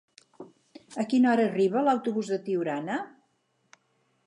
A quina hora arriba l'autobús de Tiurana?